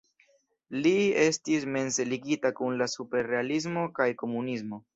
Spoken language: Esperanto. Li estis mense ligita kun la superrealismo kaj komunismo.